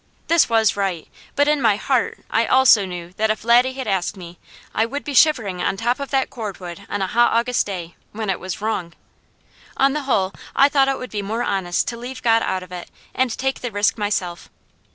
This was right, but in my heart I also knew that if Laddie had asked me, I would be shivering on top of that cordwood on a hot August day, when it was wrong. On the whole, I thought it would be more honest to leave God out of it, and take the risk myself.